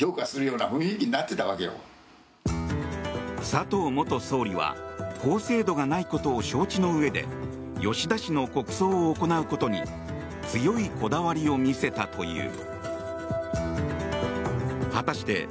佐藤元総理は法制度がないことを承知の上で吉田氏の国葬を行うことに強いこだわりを見せたという。